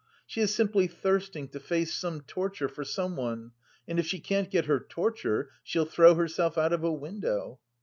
She is simply thirsting to face some torture for someone, and if she can't get her torture, she'll throw herself out of a window.